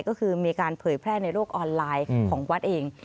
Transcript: ก็คือมีการเผยแพร่ในโลกออนไลน์ของวัดเอง